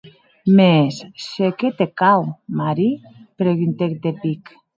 Mès, se qué te cau, Mary?, preguntèc de pic.